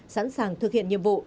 sẵn sàng thực hiện nhiệm vụ